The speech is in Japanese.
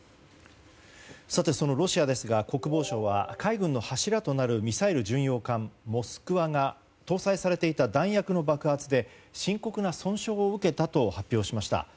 さて、そのロシアですが国防省は海軍の柱となるミサイル巡洋艦「モスクワ」が搭載されていた爆弾の爆発で深刻な損傷を受けたと発表しました。